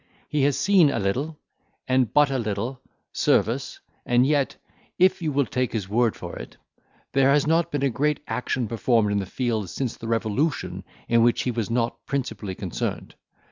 He has seen a little, and but a little, service, and yet, if you will take his word to it, there has not been a great action performed in the field since the Revolution, in which he was not principally concerned.